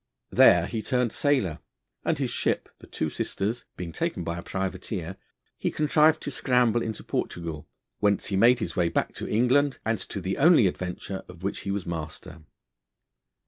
There he turned sailor, and his ship, The Two Sisters, being taken by a privateer, he contrived to scramble into Portugal, whence he made his way back to England, and to the only adventure of which he was master.